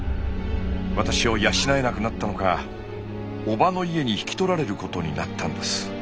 私を養えなくなったのかおばの家に引き取られることになったんです。